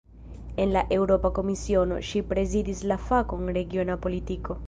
En la Eŭropa Komisiono, ŝi prezidis la fakon "regiona politiko".